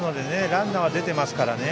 ランナーは出ていますからね。